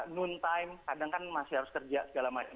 non time kadang kan masih harus kerja segala macam